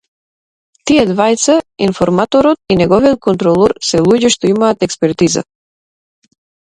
Тие двајца, информаторот и неговиот контролор се луѓе што имаат експертиза.